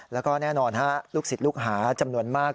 แล้วก็แน่นอนลูกศิษย์ลูกหาจำนวนมาก